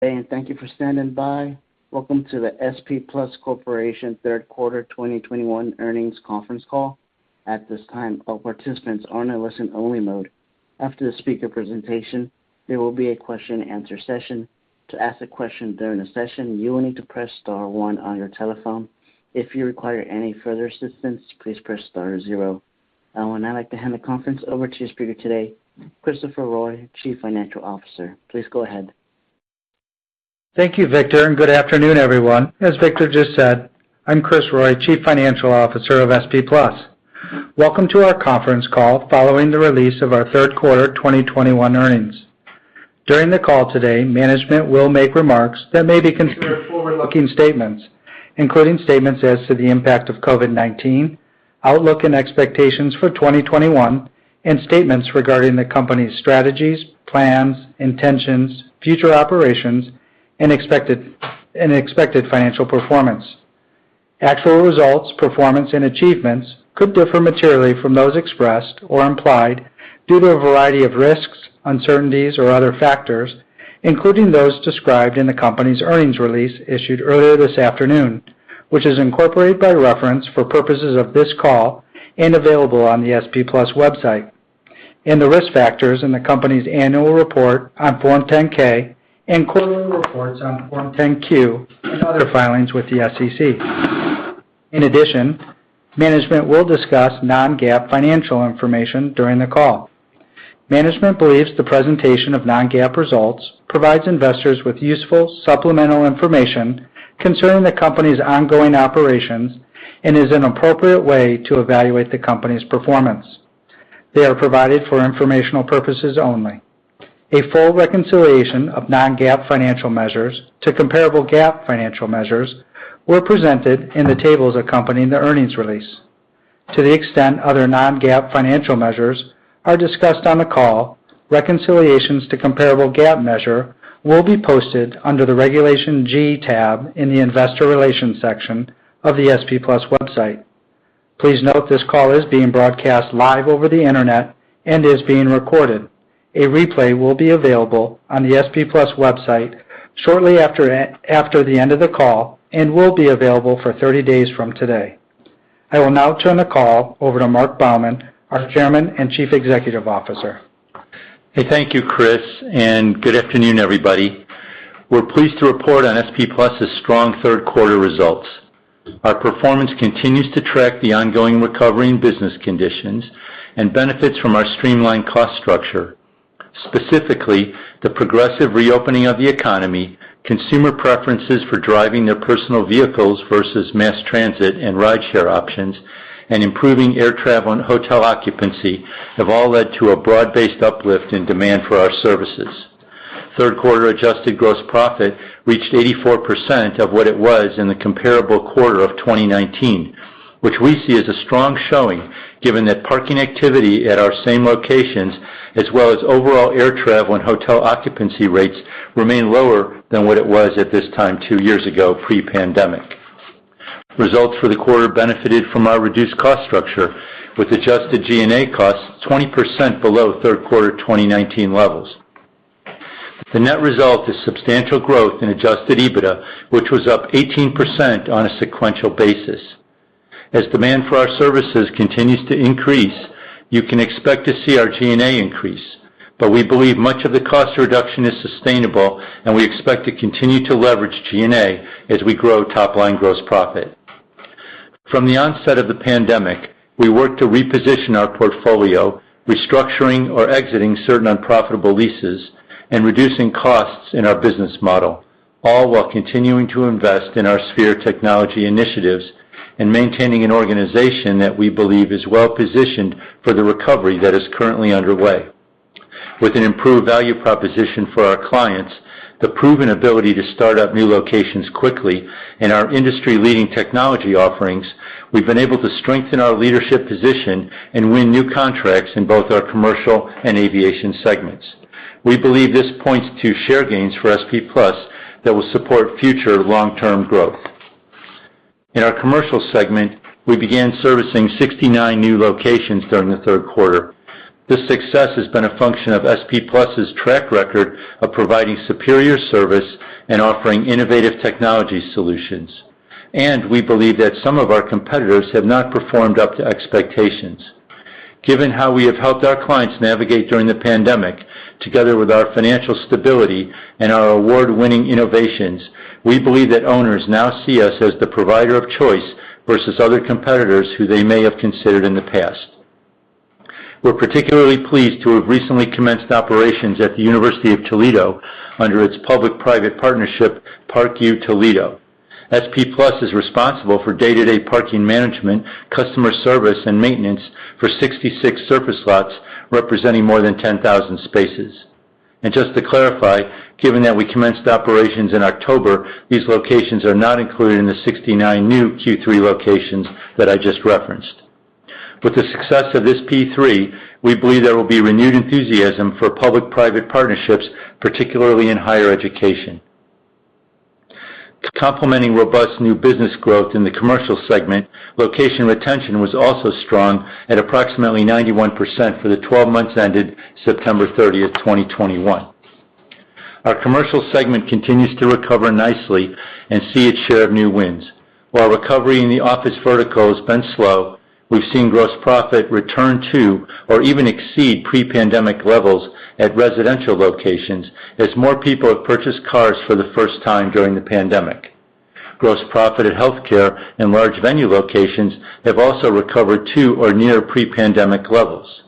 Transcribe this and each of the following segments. Thank you for standing by. Welcome to the SP Plus Corporation Third Quarter 2021 Earnings Conference Call. At this time, all participants are in a listen-only mode. After the speaker presentation, there will be a question and answer session. To ask a question during the session, you will need to press star one on your telephone. If you require any further assistance, please press star zero. I would now like to hand the conference over to your speaker today, Kristopher Roy, Chief Financial Officer. Please go ahead. Thank you, Victor, and good afternoon, everyone. As Victor just said, I'm Kris Roy, Chief Financial Officer of SP Plus. Welcome to our conference call following the release of our Third Quarter 2021 Earnings. During the call today, management will make remarks that may be considered forward-looking statements, including statements as to the impact of COVID-19, outlook and expectations for 2021, and statements regarding the company's strategies, plans, intentions, future operations, and expected financial performance. Actual results, performance, and achievements could differ materially from those expressed or implied due to a variety of risks, uncertainties, or other factors, including those described in the company's earnings release issued earlier this afternoon, which is incorporated by reference for purposes of this call and available on the SP Plus website. The risk factors in the company's annual report on Form 10-K and quarterly reports on Form 10-Q and other filings with the SEC. In addition, management will discuss non-GAAP financial information during the call. Management believes the presentation of non-GAAP results provides investors with useful supplemental information concerning the company's ongoing operations and is an appropriate way to evaluate the company's performance. They are provided for informational purposes only. A full reconciliation of non-GAAP financial measures to comparable GAAP financial measures were presented in the tables accompanying the earnings release. To the extent other non-GAAP financial measures are discussed on the call, reconciliations to comparable GAAP measure will be posted under the Regulation G tab in the Investor Relations section of the SP Plus website. Please note this call is being broadcast live over the Internet and is being recorded. A replay will be available on the SP Plus website shortly after the end of the call and will be available for 30 days from today. I will now turn the call over to Marc Baumann, our Chairman and Chief Executive Officer. Hey. Thank you, Kris, and good afternoon, everybody. We're pleased to report on SP Plus' strong Third Quarter Results. Our performance continues to track the ongoing recovery in business conditions and benefits from our streamlined cost structure, specifically the progressive reopening of the economy, consumer preferences for driving their personal vehicles versus mass transit and rideshare options, and improving air travel and hotel occupancy have all led to a broad-based uplift in demand for our services. Third quarter adjusted gross profit reached 84% of what it was in the comparable quarter of 2019, which we see as a strong showing given that parking activity at our same locations as well as overall air travel and hotel occupancy rates remain lower than what it was at this time two years ago pre-pandemic. Results for the quarter benefited from our reduced cost structure with adjusted G&A costs 20% below third quarter 2019 levels. The net result is substantial growth in adjusted EBITDA, which was up 18% on a sequential basis. As demand for our services continues to increase, you can expect to see our G&A increase, but we believe much of the cost reduction is sustainable, and we expect to continue to leverage G&A as we grow top-line gross profit. From the onset of the pandemic, we worked to reposition our portfolio, restructuring or exiting certain unprofitable leases and reducing costs in our business model, all while continuing to invest in our Sphere technology initiatives and maintaining an organization that we believe is well-positioned for the recovery that is currently underway. With an improved value proposition for our clients, the proven ability to start up new locations quickly, and our industry-leading technology offerings, we've been able to strengthen our leadership position and win new contracts in both our Commercial and Aviation segments. We believe this points to share gains for SP Plus that will support future long-term growth. In our Commercial segment, we began servicing 69 new locations during the third quarter. This success has been a function of SP Plus track record of providing superior service and offering innovative technology solutions. We believe that some of our competitors have not performed up to expectations. Given how we have helped our clients navigate during the pandemic, together with our financial stability and our award-winning innovations, we believe that owners now see us as the provider of choice versus other competitors who they may have considered in the past. We're particularly pleased to have recently commenced operations at the University of Toledo under its public-private partnership, ParkUToledo. SP Plus is responsible for day-to-day parking management, customer service, and maintenance for 66 surface lots representing more than 10,000 spaces. Just to clarify, given that we commenced operations in October, these locations are not included in the 69 new Q3 locations that I just referenced. With the success of this P3, we believe there will be renewed enthusiasm for public-private partnerships, particularly in higher education. Complementing robust new business growth in the Commercial segment, location retention was also strong at approximately 91% for the twelve months ended September 30, 2021. Our Commercial segment continues to recover nicely and see its share of new wins. While recovery in the office vertical has been slow, we've seen gross profit return to or even exceed pre-pandemic levels at residential locations as more people have purchased cars for the first time during the pandemic. Gross profit at healthcare and large venue locations have also recovered to or near pre-pandemic levels.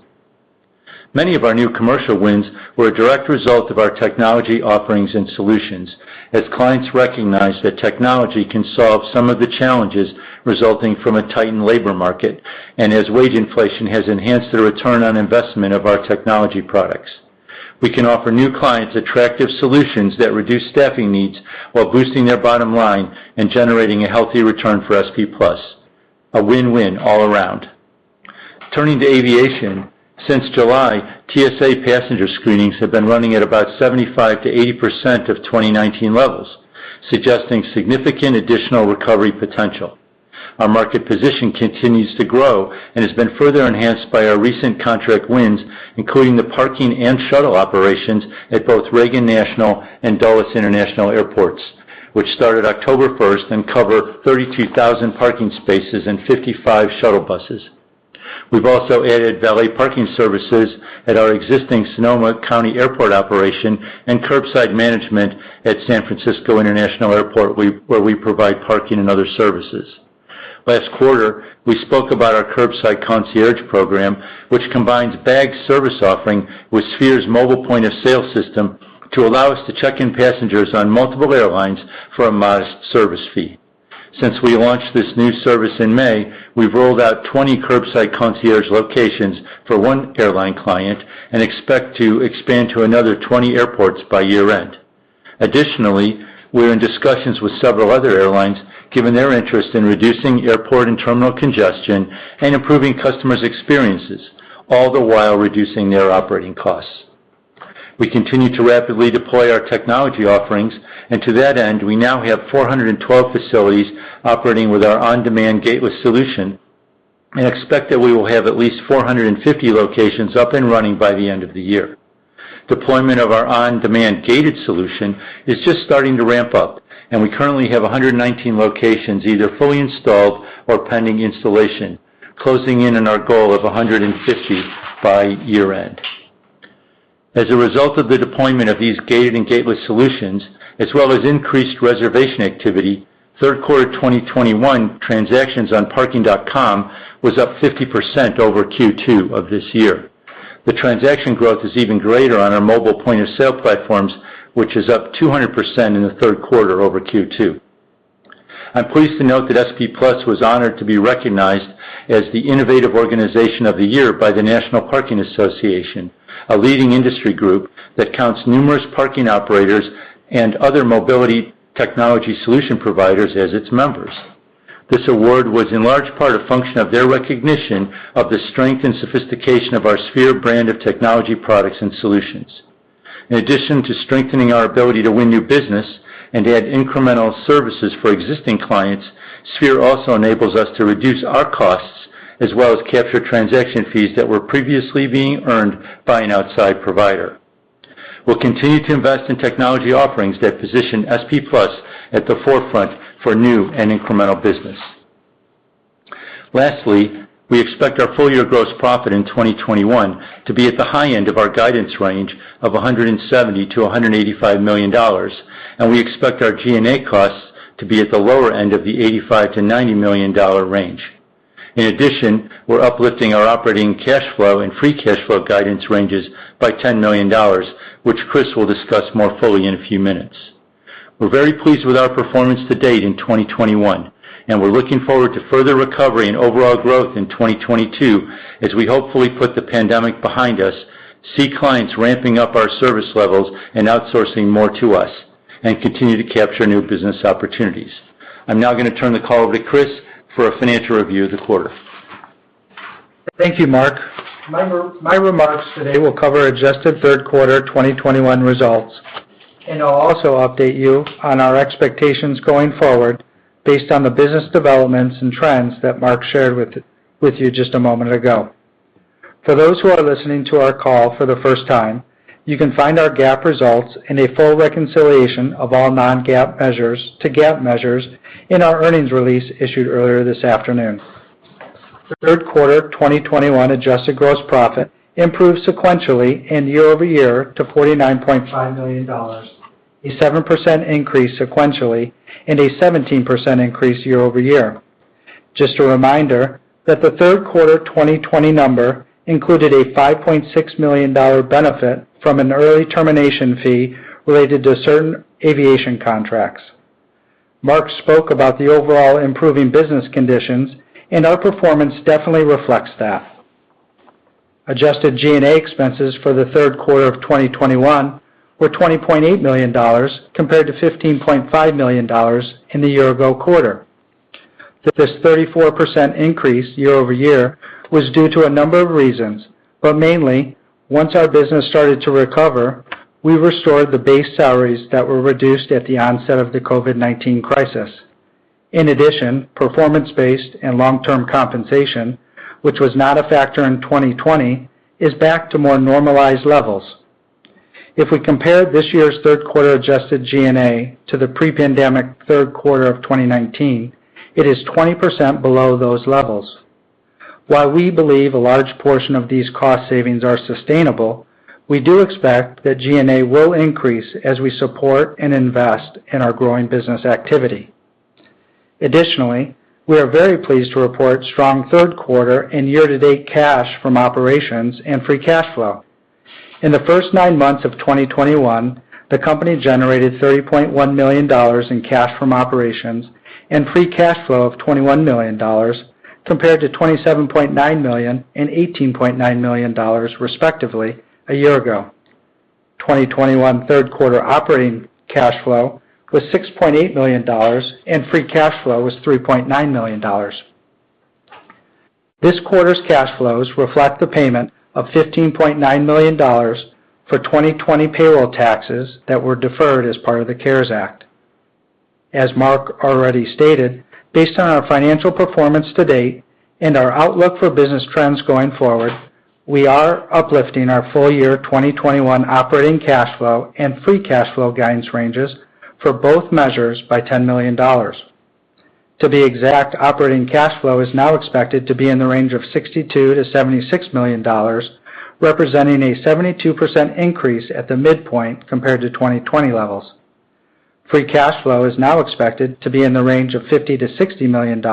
Many of our new Commercial wins were a direct result of our technology offerings and solutions, as clients recognize that technology can solve some of the challenges resulting from a tightened labor market and as wage inflation has enhanced the return on investment of our technology products. We can offer new clients attractive solutions that reduce staffing needs while boosting their bottom line and generating a healthy return for SP Plus. A win-win all around. Turning to Aviation, since July, TSA passenger screenings have been running at about 75%-80% of 2019 levels, suggesting significant additional recovery potential. Our market position continues to grow and has been further enhanced by our recent contract wins, including the parking and shuttle operations at both Reagan National and Dulles International Airports, which started October 1 and cover 32,000 parking spaces and 55 shuttle buses. We've also added valet parking services at our existing Sonoma County Airport operation and curbside management at San Francisco International Airport, where we provide parking and other services. Last quarter, we spoke about our Curbside Concierge program, which combines Bags service offering with Sphere's mobile point-of-sale system to allow us to check-in passengers on multiple airlines for a modest service fee. Since we launched this new service in May, we've rolled out 20 Curbside Concierge locations for one airline client and expect to expand to another 20 airports by year-end. Additionally, we're in discussions with several other airlines given their interest in reducing airport and terminal congestion and improving customers' experiences, all the while reducing their operating costs. We continue to rapidly deploy our technology offerings, and to that end, we now have 412 facilities operating with our on-demand gateless solution and expect that we will have at least 450 locations up and running by the end of the year. Deployment of our on-demand gated solution is just starting to ramp up, and we currently have 119 locations either fully installed or pending installation, closing in on our goal of 150 by year-end. As a result of the deployment of these gated and gateless solutions, as well as increased reservation activity, third quarter 2021 transactions on parking.com was up 50% over Q2 of this year. The transaction growth is even greater on our mobile point-of-sale platforms, which is up 200% in the third quarter over Q2. I'm pleased to note that SP Plus was honored to be recognized as the innovative organization of the year by the National Parking Association, a leading industry group that counts numerous parking operators and other mobility technology solution providers as its members. This award was in large part a function of their recognition of the strength and sophistication of our Sphere brand of technology products and solutions. In addition to strengthening our ability to win new business and add incremental services for existing clients, Sphere also enables us to reduce our costs as well as capture transaction fees that were previously being earned by an outside provider. We'll continue to invest in technology offerings that position SP Plus at the forefront for new and incremental business. Lastly, we expect our full-year gross profit in 2021 to be at the high end of our guidance range of $170 million-$185 million, and we expect our G&A costs to be at the lower end of the $85 million-$90 million range. In addition, we're uplifting our operating cash flow and free cash flow guidance ranges by $10 million, which Kris will discuss more fully in a few minutes. We're very pleased with our performance to date in 2021, and we're looking forward to further recovery and overall growth in 2022 as we hopefully put the pandemic behind us, see clients ramping up our service levels and outsourcing more to us, and continue to capture new business opportunities. I'm now gonna turn the call over to Kris for a financial review of the quarter. Thank you, Marc. My remarks today will cover adjusted third quarter 2021 results, and I'll also update you on our expectations going forward based on the business developments and trends that Marc shared with you just a moment ago. For those who are listening to our call for the first time, you can find our GAAP results and a full reconciliation of all non-GAAP measures to GAAP measures in our earnings release issued earlier this afternoon. The third quarter of 2021 adjusted gross profit improved sequentially and year-over-year to $49.5 million, a 7% increase sequentially and a 17% increase year-over-year. Just a reminder that the third quarter 2020 number included a $5.6 million benefit from an early termination fee related to certain Aviation contracts. Marc Baumann spoke about the overall improving business conditions, and our performance definitely reflects that. Adjusted G&A expenses for the third quarter of 2021 were $20.8 million compared to $15.5 million in the year-ago quarter. This 34% increase year-over-year was due to a number of reasons, but mainly, once our business started to recover, we restored the base salaries that were reduced at the onset of the COVID-19 crisis. In addition, performance-based and long-term compensation, which was not a factor in 2020, is back to more normalized levels. If we compare this year's third quarter adjusted G&A to the pre-pandemic third quarter of 2019, it is 20% below those levels. While we believe a large portion of these cost savings are sustainable, we do expect that G&A will increase as we support and invest in our growing business activity. Additionally, we are very pleased to report strong third quarter and year-to-date cash from operations and free cash flow. In the first nine months of 2021, the company generated $30.1 million in cash from operations and free cash flow of $21 million compared to $27.9 million and $18.9 million, respectively, a year ago. 2021 third quarter operating cash flow was $6.8 million, and free cash flow was $3.9 million. This quarter's cash flows reflect the payment of $15.9 million for 2020 payroll taxes that were deferred as part of the CARES Act. As Marc already stated, based on our financial performance to date and our outlook for business trends going forward, we are uplifting our full year 2021 operating cash flow and free cash flow guidance ranges for both measures by $10 million. To be exact, operating cash flow is now expected to be in the range of $62 million-$76 million, representing a 72% increase at the midpoint compared to 2020 levels. Free cash flow is now expected to be in the range of $50 million-$60 million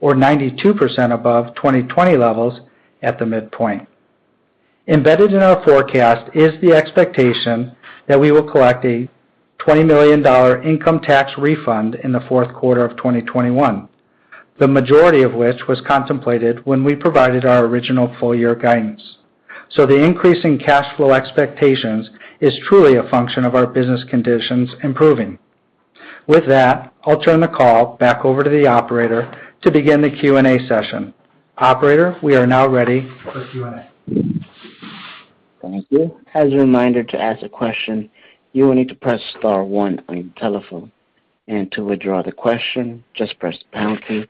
or 92% above 2020 levels at the midpoint. Embedded in our forecast is the expectation that we will collect a $20 million income tax refund in the fourth quarter of 2021, the majority of which was contemplated when we provided our original full year guidance. The increase in cash flow expectations is truly a function of our business conditions improving. With that, I'll turn the call back over to the operator to begin the Q&A session. Operator, we are now ready for Q&A. Thank you. As a reminder, to ask a question, you will need to press star one on your telephone. To withdraw the question, just press the pound key.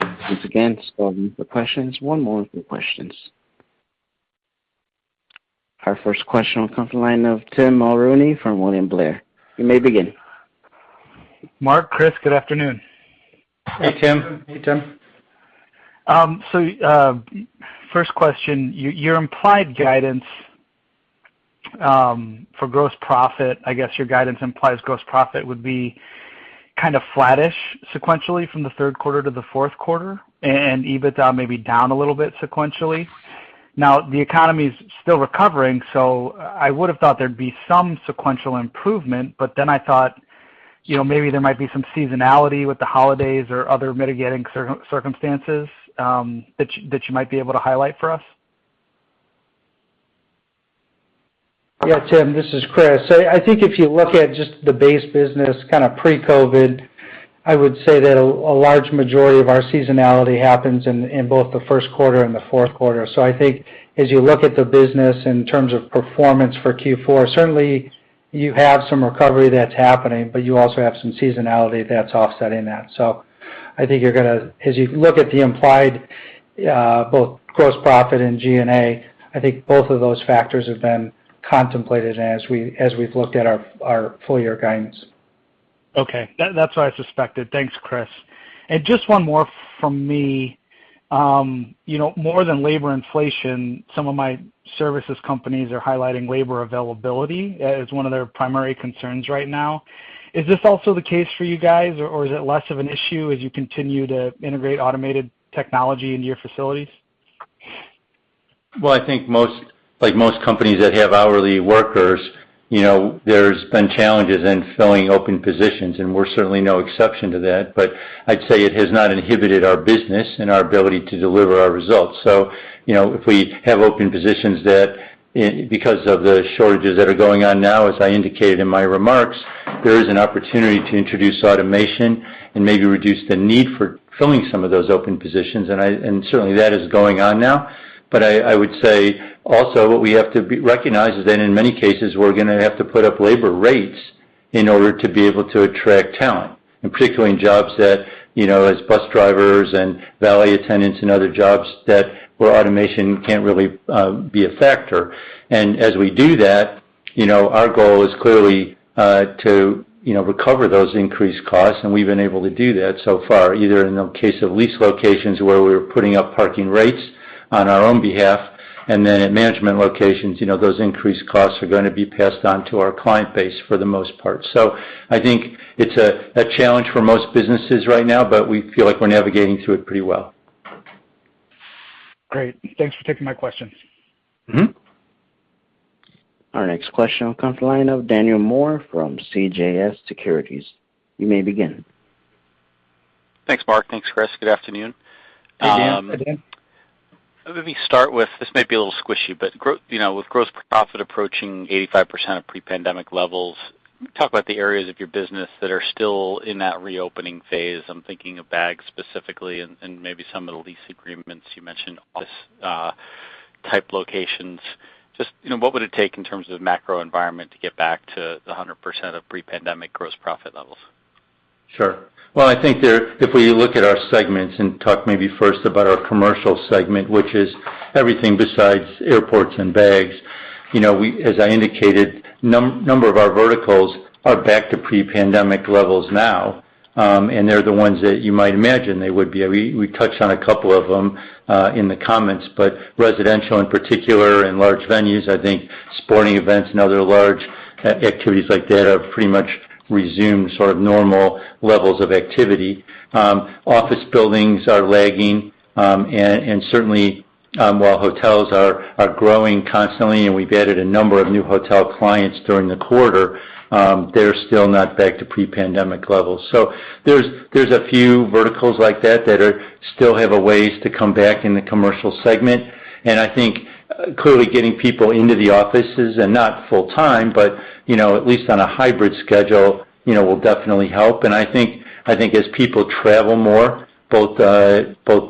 Once again, to start with the questions, one moment for questions. Our first question will come from the line of Tim Mulrooney from William Blair. You may begin. Marc, Kris, good afternoon. Hey, Tim. Hey, Tim. First question, your implied guidance for gross profit, I guess your guidance implies gross profit would be kind of flattish sequentially from the third quarter to the fourth quarter, and EBITDA maybe down a little bit sequentially. Now, the economy is still recovering, so I would have thought there'd be some sequential improvement, but then I thought, you know, maybe there might be some seasonality with the holidays or other mitigating circumstances that you might be able to highlight for us. Yeah, Tim, this is Kris. I think if you look at just the base business kind of pre-COVID, I would say that a large majority of our seasonality happens in both the first quarter and the fourth quarter. I think as you look at the business in terms of performance for Q4, certainly you have some recovery that's happening, but you also have some seasonality that's offsetting that. I think as you look at the implied both gross profit and G&A, I think both of those factors have been contemplated as we've looked at our full year guidance. Okay. That's what I suspected. Thanks, Kris. Just one more from me. You know, more than labor inflation, some of my services companies are highlighting labor availability as one of their primary concerns right now. Is this also the case for you guys, or is it less of an issue as you continue to integrate automated technology into your facilities? Well, I think most, like most companies that have hourly workers, you know, there's been challenges in filling open positions, and we're certainly no exception to that. I'd say it has not inhibited our business and our ability to deliver our results. You know, if we have open positions that, because of the shortages that are going on now, as I indicated in my remarks, there is an opportunity to introduce automation and maybe reduce the need for filling some of those open positions. Certainly, that is going on now. I would say also what we have to recognize is that in many cases, we're gonna have to put up labor rates in order to be able to attract talent, and particularly in jobs that, you know, as bus drivers and valet attendants and other jobs where automation can't really be a factor. As we do that, you know, our goal is clearly to, you know, recover those increased costs, and we've been able to do that so far, either in the case of lease locations where we're putting up parking rates on our own behalf, and then at management locations, you know, those increased costs are gonna be passed on to our client base for the most part. I think it's a challenge for most businesses right now, but we feel like we're navigating through it pretty well. Great. Thanks for taking my questions. Our next question will come from the line of Daniel Moore from CJS Securities. You may begin. Thanks, Marc. Thanks, Kris. Good afternoon. Hey, Dan. Let me start with, this might be a little squishy, but you know, with gross profit approaching 85% of pre-pandemic levels, can you talk about the areas of your business that are still in that reopening phase? I'm thinking of Bags specifically and maybe some of the lease agreements you mentioned, office type locations. Just, you know, what would it take in terms of the macro environment to get back to the 100% of pre-pandemic gross profit levels? Sure. Well, I think if we look at our segments and talk maybe first about our Commercial segment, which is everything besides Airports and Bags, you know, as I indicated, number of our verticals are back to pre-pandemic levels now, and they're the ones that you might imagine they would be. We touched on a couple of them in the comments, but residential in particular and large venues, I think sporting events and other large activities like that have pretty much resumed sort of normal levels of activity. Office buildings are lagging, and certainly, while hotels are growing constantly, and we've added a number of new hotel clients during the quarter, they're still not back to pre-pandemic levels. There's a few verticals like that that are still have a ways to come back in the Commercial segment. I think clearly getting people into the offices and not full-time, but, you know, at least on a hybrid schedule, you know, will definitely help. I think as people travel more, both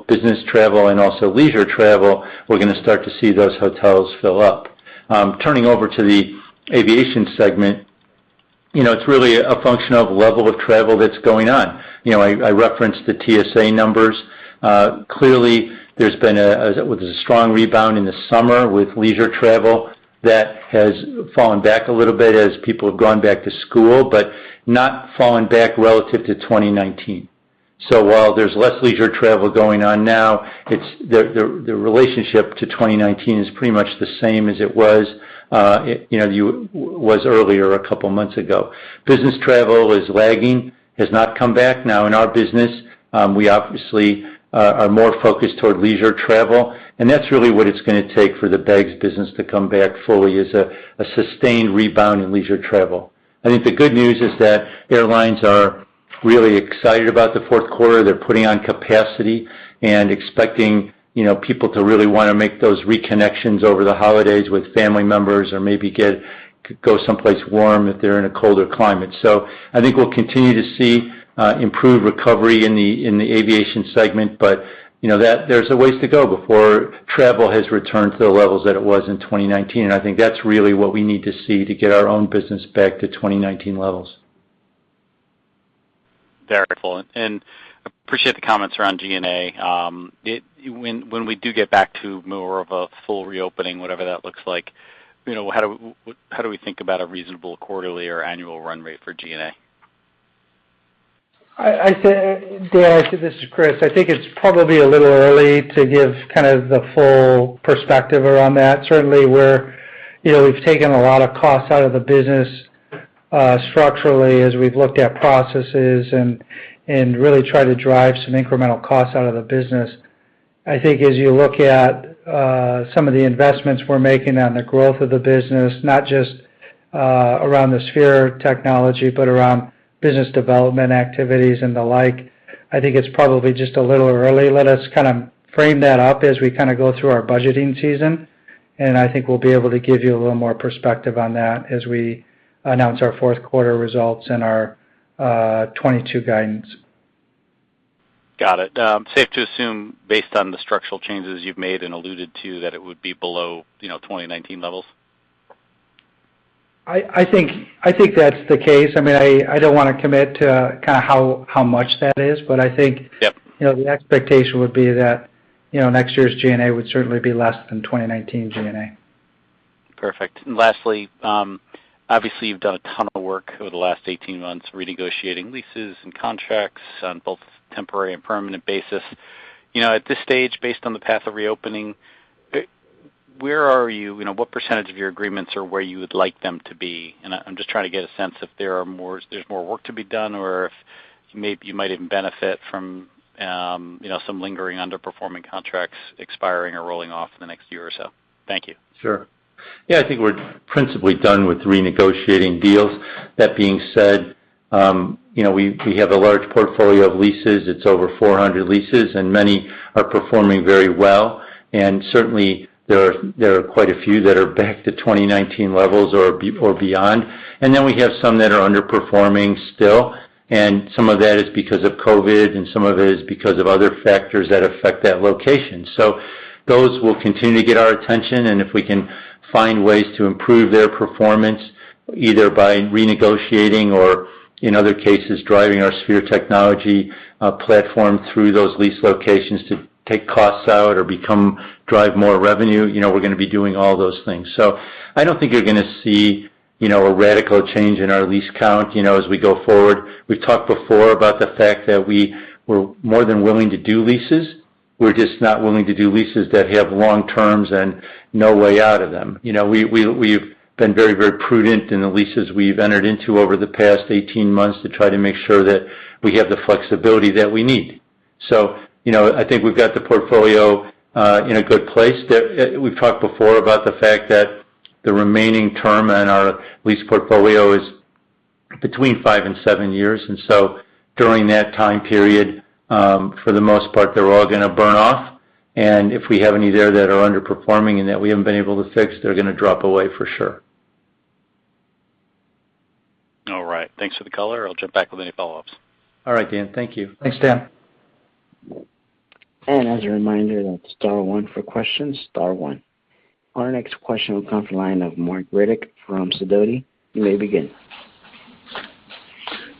business travel and also leisure travel, we're gonna start to see those hotels fill up. Turning over to the Aviation segment, you know, it's really a function of level of travel that's going on. You know, I referenced the TSA numbers. Clearly there was a strong rebound in the summer with leisure travel that has fallen back a little bit as people have gone back to school, but not fallen back relative to 2019. While there's less leisure travel going on now, it's the relationship to 2019 is pretty much the same as it was, you know, earlier a couple months ago. Business travel is lagging, has not come back. Now in our business, we obviously are more focused toward leisure travel, and that's really what it's gonna take for the Bags business to come back fully, is a sustained rebound in leisure travel. I think the good news is that airlines are really excited about the fourth quarter. They're putting on capacity and expecting, you know, people to really wanna make those reconnections over the holidays with family members or maybe go someplace warm if they're in a colder climate. I think we'll continue to see improved recovery in the Aviation segment, but you know, there's a ways to go before travel has returned to the levels that it was in 2019, and I think that's really what we need to see to get our own business back to 2019 levels. Very helpful. Appreciate the comments around G&A. When we do get back to more of a full reopening, whatever that looks like, you know, how do we think about a reasonable quarterly or annual run rate for G&A? I say, Dan, this is Kris. I think it's probably a little early to give kind of the full perspective around that. Certainly we're, you know, we've taken a lot of costs out of the business structurally as we've looked at processes and really try to drive some incremental costs out of the business. I think as you look at some of the investments we're making on the growth of the business, not just around the Sphere technology, but around business development activities and the like, I think it's probably just a little early. Let us kind of frame that up as we kinda go through our budgeting season, and I think we'll be able to give you a little more perspective on that as we announce our fourth quarter results and our 2022 guidance. Got it. Safe to assume based on the structural changes you've made and alluded to that it would be below, you know, 2019 levels? I think that's the case. I mean, I don't wanna commit to kinda how much that is, but I think you know, the expectation would be that, you know, next year's G&A would certainly be less than 2019 G&A. Perfect. Lastly, obviously you've done a ton of work over the last 18 months renegotiating leases and contracts on both temporary and permanent basis. You know, at this stage, based on the path of reopening, where are you? You know, what percentage of your agreements are where you would like them to be? I'm just trying to get a sense if there's more work to be done or if you might even benefit from, you know, some lingering underperforming contracts expiring or rolling off in the next year or so. Thank you. Sure. Yeah, I think we're principally done with renegotiating deals. That being said, you know, we have a large portfolio of leases. It's over 400 leases, and many are performing very well. Certainly there are quite a few that are back to 2019 levels or beyond. Then we have some that are underperforming still, and some of that is because of COVID and some of it is because of other factors that affect that location. Those will continue to get our attention, and if we can find ways to improve their performance, either by renegotiating or, in other cases, driving our Sphere technology platform through those lease locations to take costs out or drive more revenue, you know, we're gonna be doing all those things. I don't think you're gonna see, you know, a radical change in our lease count, you know, as we go forward. We've talked before about the fact that we were more than willing to do leases. We're just not willing to do leases that have long terms and no way out of them. You know, we've been very, very prudent in the leases we've entered into over the past 18 months to try to make sure that we have the flexibility that we need. So, you know, I think we've got the portfolio in a good place. We've talked before about the fact that the remaining term on our lease portfolio is between six and seven years. During that time period, for the most part, they're all gonna burn off. If we have any there that are underperforming and that we haven't been able to fix, they're gonna drop away for sure. All right. Thanks for the color. I'll jump back with any follow-ups. All right, Dan. Thank you. Thanks, Dan. Our next question will come from the line of Marc Riddick from Sidoti. You may begin.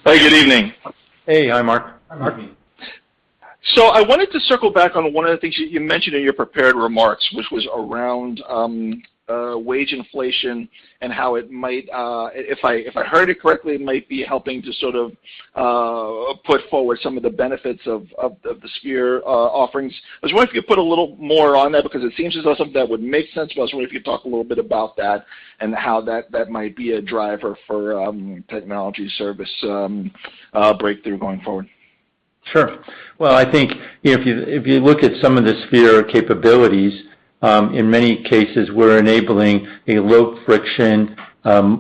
Hi, good evening. Hey. Hi, Marc. Hi, Marc. I wanted to circle back on one of the things you mentioned in your prepared remarks, which was around wage inflation and how it might, if I heard it correctly, be helping to sort of put forward some of the benefits of the Sphere offerings. I was wondering if you could put a little more on that because it seems as though something that would make sense, but I was wondering if you talk a little bit about that and how that might be a driver for technology service breakthrough going forward. Sure. Well, I think, you know, if you look at some of the Sphere capabilities, in many cases, we're enabling a low friction,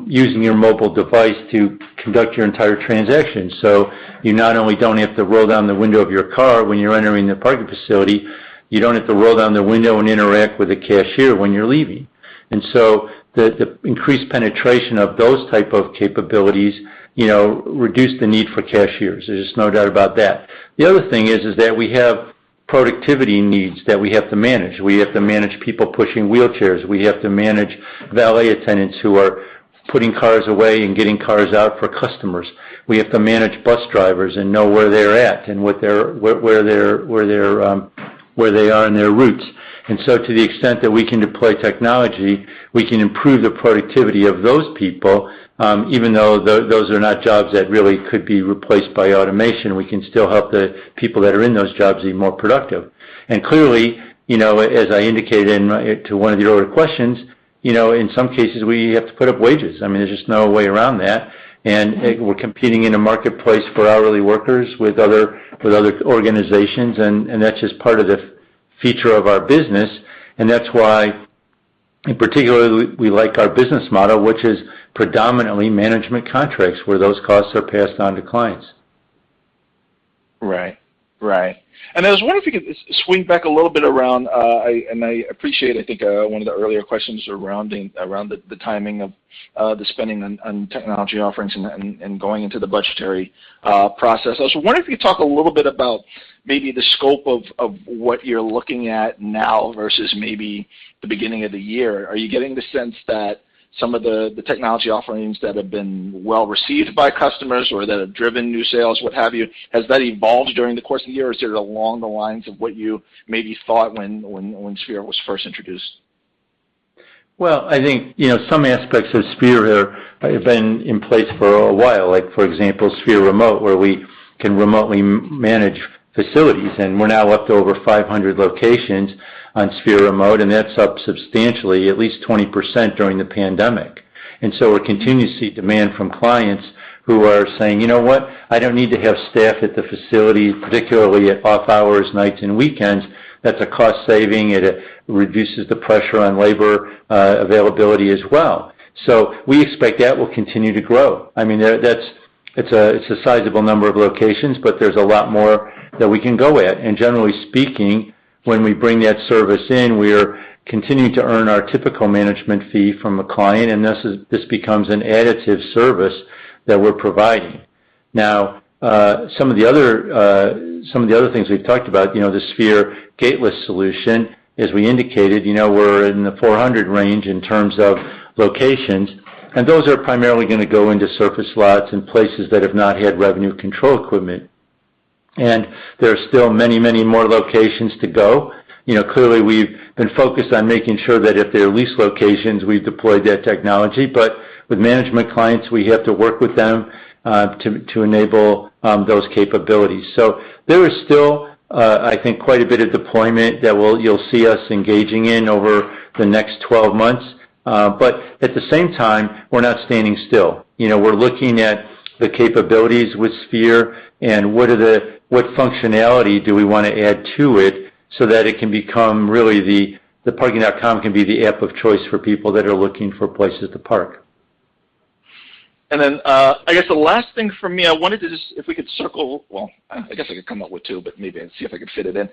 using your mobile device to conduct your entire transaction. You not only don't have to roll down the window of your car when you're entering the parking facility, you don't have to roll down the window and interact with the cashier when you're leaving. The increased penetration of those type of capabilities, you know, reduce the need for cashiers. There's just no doubt about that. The other thing is that we have productivity needs that we have to manage. We have to manage people pushing wheelchairs. We have to manage valet attendants who are putting cars away and getting cars out for customers. We have to manage bus drivers and know where they're at and where they are in their routes. To the extent that we can deploy technology, we can improve the productivity of those people, even though those are not jobs that really could be replaced by automation, we can still help the people that are in those jobs be more productive. Clearly, you know, as I indicated to one of the earlier questions, you know, in some cases, we have to put up wages. I mean, there's just no way around that. We're competing in a marketplace for hourly workers with other organizations, and that's just part of the feature of our business. That's why, in particular, we like our business model, which is predominantly management contracts where those costs are passed on to clients. Right. I was wondering if you could swing back a little bit around. I appreciate, I think, one of the earlier questions around the timing of the spending on technology offerings and going into the budgetary process. I was wondering if you could talk a little bit about maybe the scope of what you're looking at now versus maybe the beginning of the year. Are you getting the sense that some of the technology offerings that have been well received by customers or that have driven new sales, what have you, has that evolved during the course of the year, or is it along the lines of what you maybe thought when Sphere was first introduced? Well, I think, you know, some aspects of Sphere have been in place for a while. Like, for example, Sphere Remote, where we can remotely manage facilities, and we're now up to over 500 locations on Sphere Remote, and that's up substantially, at least 20% during the pandemic. We're continuing to see demand from clients who are saying, "You know what? I don't need to have staff at the facility, particularly at off hours, nights, and weekends." That's a cost saving. It reduces the pressure on labor availability as well. We expect that will continue to grow. I mean, that's it's a sizable number of locations, but there's a lot more that we can go at. Generally speaking, when we bring that service in, we're continuing to earn our typical management fee from a client, and this becomes an additive service that we're providing. Now, some of the other things we've talked about, you know, the Sphere Gateless solution, as we indicated, you know, we're in the 400 range in terms of locations, and those are primarily gonna go into surface lots and places that have not had revenue control equipment. There are still many, many more locations to go. You know, clearly, we've been focused on making sure that if they're leased locations, we've deployed that technology. With management clients, we have to work with them to enable those capabilities. There is still, I think, quite a bit of deployment that you'll see us engaging in over the next 12 months. At the same time, we're not standing still. You know, we're looking at the capabilities with Sphere and what functionality do we wanna add to it so that it can become really the parking.com can be the app of choice for people that are looking for places to park. I guess the last thing for me. Well, I guess I could come up with two, but maybe I'd see if I could fit it in.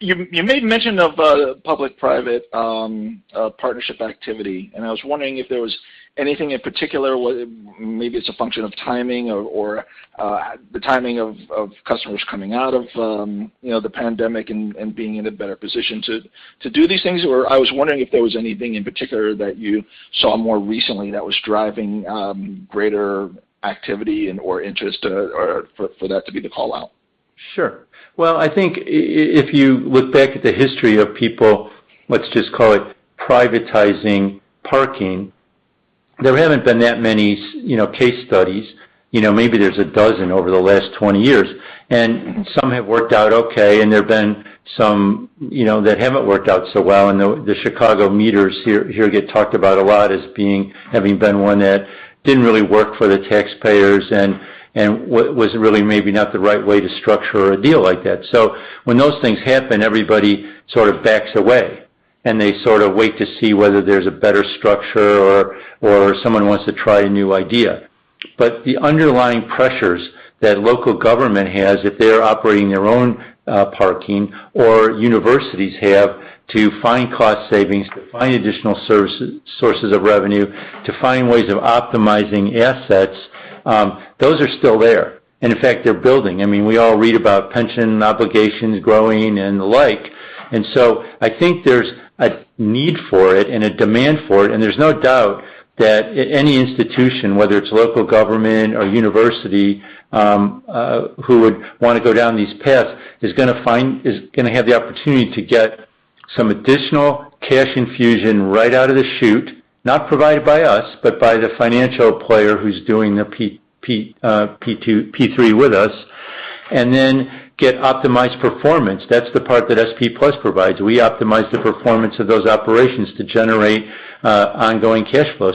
You made mention of public-private partnership activity, and I was wondering if there was anything in particular, or maybe it's a function of timing or the timing of customers coming out of you know, the pandemic and being in a better position to do these things. I was wondering if there was anything in particular that you saw more recently that was driving greater activity and/or interest or for that to be the call-out. Sure. Well, I think if you look back at the history of people, let's just call it privatizing parking, there haven't been that many you know, case studies. You know, maybe there's 12 over the last 20 years, and some have worked out okay, and there have been some, you know, that haven't worked out so well. The Chicago meters here get talked about a lot as being, having been one that didn't really work for the taxpayers and was really maybe not the right way to structure a deal like that. When those things happen, everybody sort of backs away. They sort of wait to see whether there's a better structure or someone wants to try a new idea. The underlying pressures that local government has if they're operating their own parking or universities have to find cost savings, to find additional sources of revenue, to find ways of optimizing assets, those are still there. In fact, they're building. I mean, we all read about pension obligations growing and the like. I think there's a need for it and a demand for it, and there's no doubt that any institution, whether it's local government or university, who would wanna go down these paths, is gonna have the opportunity to get some additional cash infusion right out of the chute, not provided by us, but by the financial player who's doing the P3 with us, and then get optimized performance. That's the part that SP Plus provides. We optimize the performance of those operations to generate ongoing cash flow.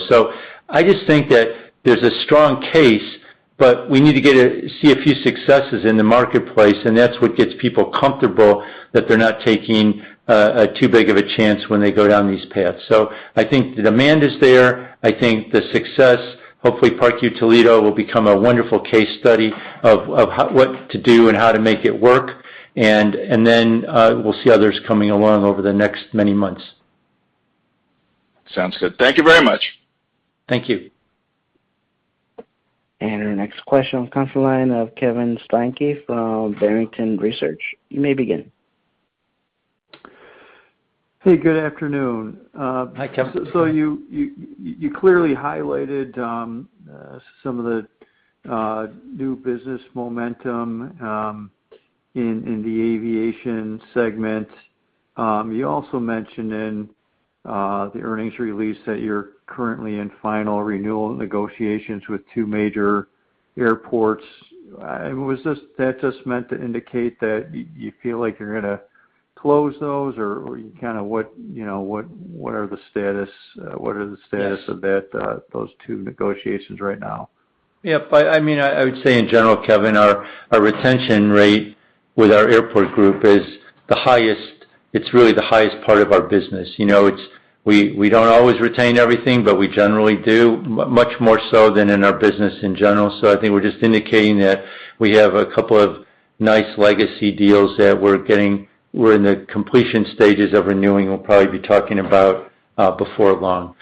I just think that there's a strong case, but we need to see a few successes in the marketplace, and that's what gets people comfortable that they're not taking a too big of a chance when they go down these paths. I think the demand is there. I think the success, hopefully ParkUToledo will become a wonderful case study of what to do and how to make it work. We'll see others coming along over the next many months. Sounds good. Thank you very much. Thank you. Our next question on conference line of Kevin Steinke from Barrington Research. You may begin. Hey, good afternoon. Hi, Kevin. You clearly highlighted some of the new business momentum in the Aviation segment. You also mentioned in the earnings release that you're currently in final renewal negotiations with two major airports. Was that just meant to indicate that you feel like you're gonna close those or you kinda what, you know, what are the status of that, those two negotiations right now? I mean, I would say in general, Kevin, our retention rate with our airport group is the highest. It's really the highest part of our business. You know, we don't always retain everything, but we generally do much more so than in our business in general. I think we're just indicating that we have a couple of nice legacy deals that we're getting. We're in the completion stages of renewing. We'll probably be talking about before long.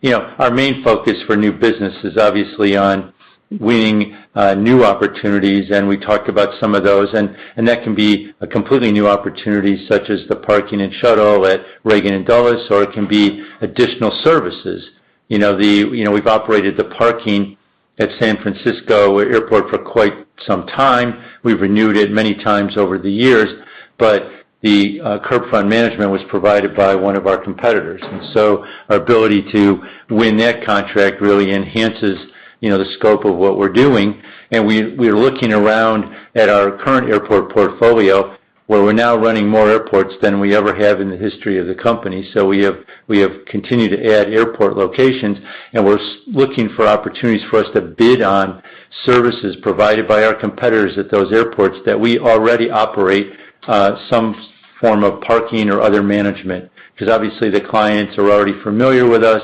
You know, our main focus for new business is obviously on winning new opportunities, and we talked about some of those. That can be a completely new opportunity, such as the parking and shuttle at Reagan and Dulles, or it can be additional services. You know, we've operated the parking at San Francisco Airport for quite some time. We've renewed it many times over the years, but the curbside management was provided by one of our competitors. Our ability to win that contract really enhances, you know, the scope of what we're doing. We're looking around at our current airport portfolio, where we're now running more airports than we ever have in the history of the company. We have continued to add airport locations, and we're looking for opportunities for us to bid on services provided by our competitors at those airports that we already operate some form of parking or other management. 'Cause obviously the clients are already familiar with us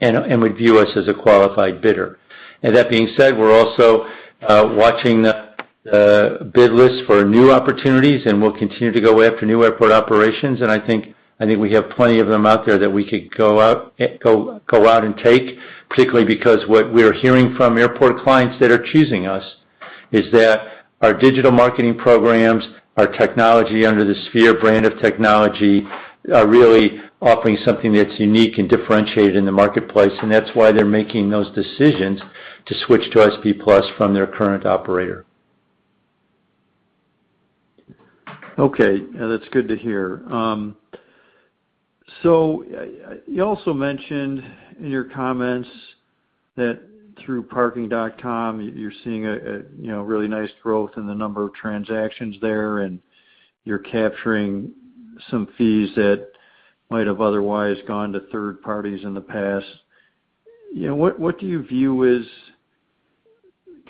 and would view us as a qualified bidder. Now that being said, we're also watching the bid lists for new opportunities, and we'll continue to go after new airport operations. I think we have plenty of them out there that we could go out and take, particularly because what we're hearing from airport clients that are choosing us is that our digital marketing programs, our technology under the Sphere brand of technology, really offering something that's unique and differentiated in the marketplace, and that's why they're making those decisions to switch to SP Plus from their current operator. Okay. Yeah, that's good to hear. You also mentioned in your comments that through parking.com you're seeing a you know really nice growth in the number of transactions there, and you're capturing some fees that might have otherwise gone to third parties in the past. You know, what do you view as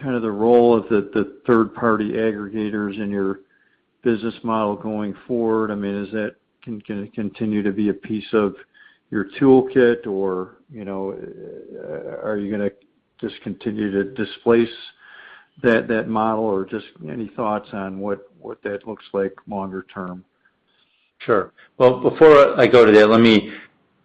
kind of the role of the third-party aggregators in your business model going forward? I mean, is that gonna continue to be a piece of your toolkit or, you know, are you gonna just continue to displace that model or just any thoughts on what that looks like longer term? Sure. Well, before I go to that, let me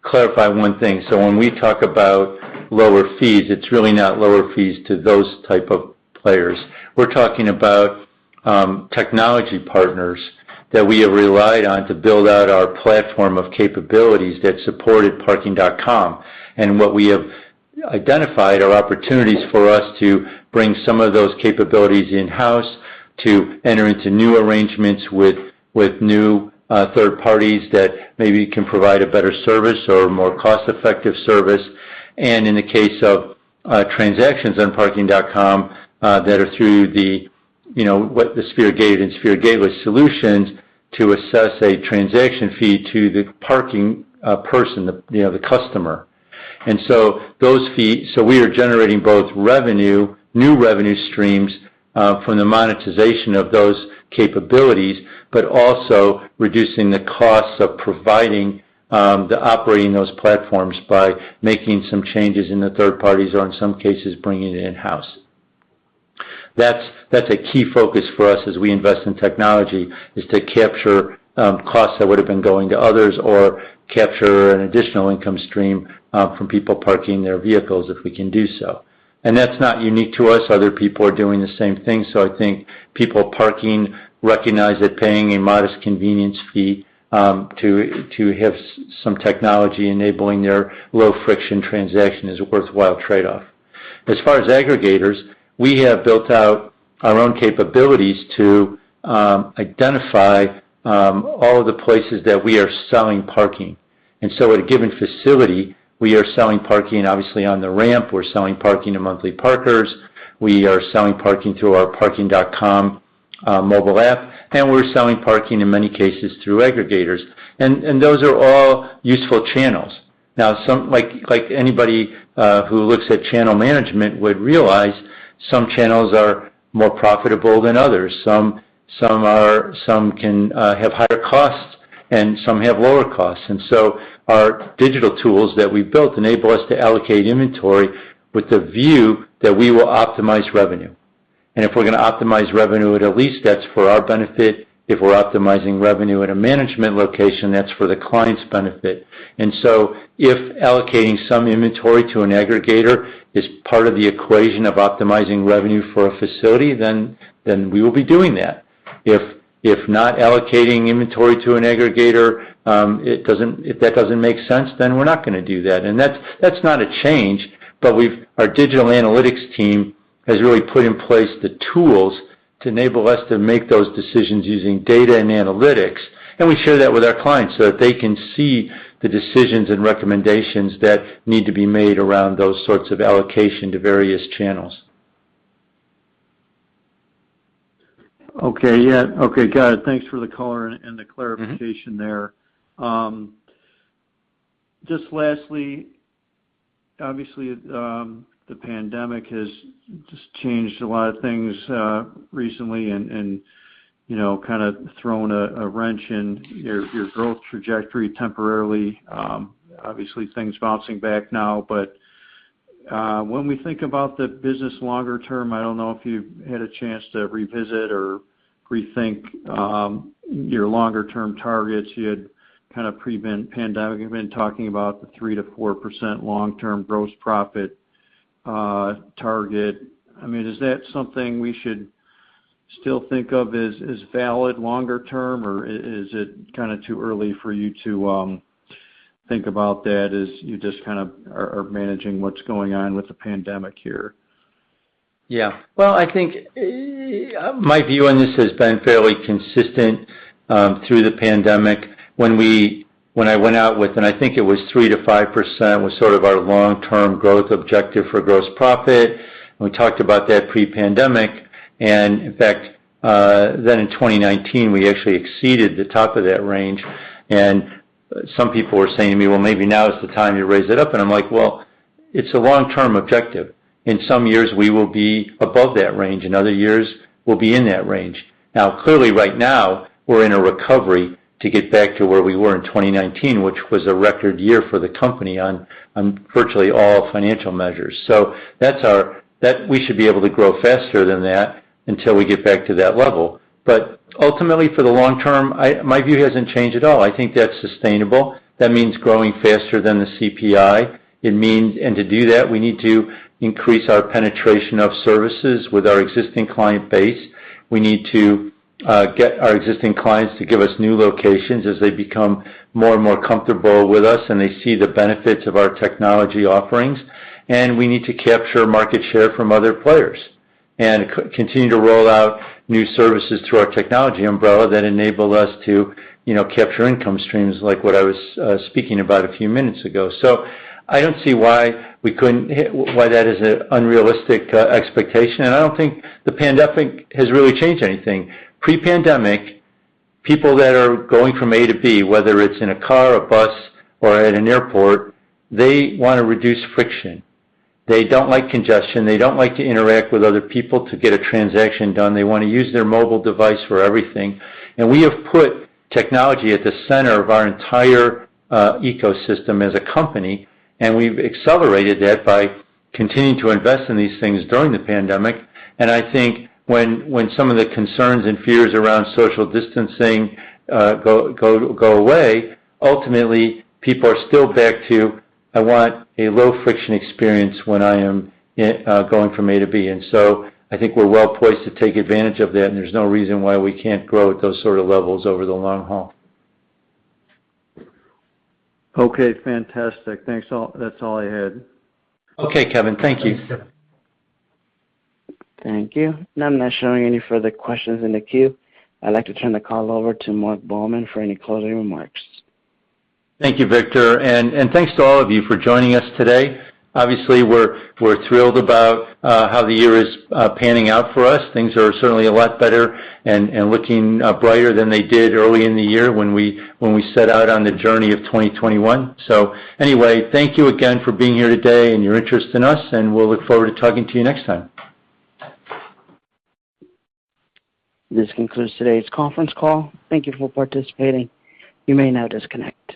clarify one thing. When we talk about lower fees, it's really not lower fees to those type of players. We're talking about technology partners that we have relied on to build out our platform of capabilities that supported parking.com. What we have identified are opportunities for us to bring some of those capabilities in-house to enter into new arrangements with new third parties that maybe can provide a better service or a more cost-effective service. In the case of transactions on parking.com that are through the, you know, what the Sphere Gated and Sphere Gateless solutions to assess a transaction fee to the parking person, the, you know, the customer. We are generating both revenue, new revenue streams from the monetization of those capabilities, but also reducing the costs of providing and operating those platforms by making some changes in the third parties or in some cases bringing it in-house. That's a key focus for us as we invest in technology, is to capture costs that would have been going to others or capture an additional income stream from people parking their vehicles if we can do so. That's not unique to us, other people are doing the same thing. I think people parking recognize that paying a modest convenience fee to have some technology enabling their low-friction transaction is a worthwhile trade-off. As far as aggregators, we have built out our own capabilities to identify all of the places that we are selling parking. At a given facility, we are selling parking obviously on the ramp, we're selling parking to monthly parkers, we are selling parking through our parking.com mobile app, and we're selling parking in many cases through aggregators. Those are all useful channels. Now some like anybody who looks at channel management would realize some channels are more profitable than others. Some can have higher costs and some have lower costs. Our digital tools that we built enable us to allocate inventory with the view that we will optimize revenue. If we're gonna optimize revenue at a lease, that's for our benefit. If we're optimizing revenue at a management location, that's for the client's benefit. If allocating some inventory to an aggregator is part of the equation of optimizing revenue for a facility, then we will be doing that. If not allocating inventory to an aggregator, it doesn't—if that doesn't make sense, then we're not gonna do that. That's not a change, but we've our digital analytics team has really put in place the tools to enable us to make those decisions using data and analytics, and we share that with our clients so that they can see the decisions and recommendations that need to be made around those sorts of allocation to various channels. Okay. Yeah. Okay. Got it. Thanks for the color and the clarification there. Just lastly, obviously, the pandemic has just changed a lot of things recently and you know, kinda thrown a wrench in your growth trajectory temporarily. Obviously things bouncing back now. When we think about the business longer term, I don't know if you've had a chance to revisit or rethink your longer-term targets. You had kinda pre-pan-pandemic, you've been talking about the 3%-4% long-term gross profit target. I mean, is that something we should still think of as valid longer term, or is it kinda too early for you to think about that as you just kind of are managing what's going on with the pandemic here? Yeah. Well, I think my view on this has been fairly consistent through the pandemic. When I went out with, and I think it was 3%-5%, was sort of our long-term growth objective for gross profit, and we talked about that pre-pandemic. In fact, then in 2019, we actually exceeded the top of that range. Some people were saying to me, "Well, maybe now is the time you raise it up." I'm like, "Well, it's a long-term objective. In some years, we will be above that range. In other years, we'll be in that range." Now, clearly right now, we're in a recovery to get back to where we were in 2019, which was a record year for the company on virtually all financial measures. That we should be able to grow faster than that until we get back to that level. Ultimately, for the long term, my view hasn't changed at all. I think that's sustainable. That means growing faster than the CPI. It means and to do that, we need to increase our penetration of services with our existing client base. We need to get our existing clients to give us new locations as they become more and more comfortable with us and they see the benefits of our technology offerings. We need to capture market share from other players and continue to roll out new services through our technology umbrella that enable us to, you know, capture income streams like what I was speaking about a few minutes ago. I don't see why that is an unrealistic expectation. I don't think the pandemic has really changed anything. Pre-pandemic, people that are going from A to B, whether it's in a car or a bus or at an airport, they wanna reduce friction. They don't like congestion. They don't like to interact with other people to get a transaction done. They wanna use their mobile device for everything. We have put technology at the center of our entire ecosystem as a company, and we've accelerated that by continuing to invest in these things during the pandemic. I think when some of the concerns and fears around social distancing go away, ultimately, people are still back to, "I want a low-friction experience when I am going from A to B." I think we're well-placed to take advantage of that, and there's no reason why we can't grow at those sort of levels over the long haul. Okay. Fantastic. Thanks all. That's all I had. Okay, Kevin. Thank you. Thanks. Thank you. Now I'm not showing any further questions in the queue. I'd like to turn the call over to Marc Baumann for any closing remarks. Thank you, Victor. Thanks to all of you for joining us today. Obviously, we're thrilled about how the year is panning out for us. Things are certainly a lot better and looking brighter than they did early in the year when we set out on the journey of 2021. Anyway, thank you again for being here today and your interest in us, and we'll look forward to talking to you next time. This concludes today's conference call. Thank you for participating. You may now disconnect.